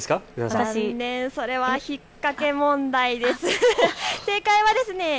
残念、それは引っ掛け問題です。